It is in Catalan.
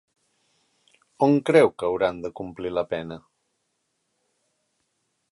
On creu que hauran de complir la pena?